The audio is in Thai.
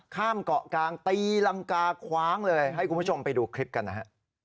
ข้ามเกาะกลางตีรังกาคว้างเลยให้คุณผู้ชมไปดูคลิปกันนะฮะ